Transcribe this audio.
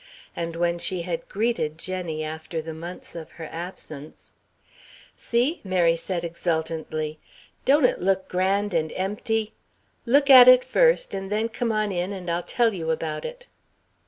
And when she had greeted Jenny after the months of her absence: "See," Mary said exultantly, "don't it look grand and empty? Look at it first, and then come on in and I'll tell you about it."